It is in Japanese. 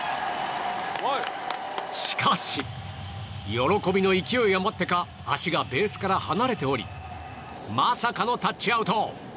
しかし、喜びの勢い余ってか足がベースから離れておりまさかのタッチアウト。